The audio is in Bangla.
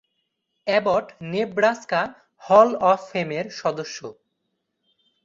অ্যাবট নেব্রাস্কা হল অফ ফেমের সদস্য।